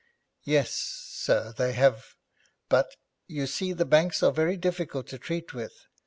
'Yes, sir, they have, but, you see, banks are very difficult to treat with.